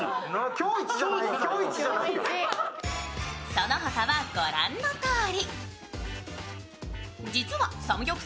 その他は、ご覧のとおり。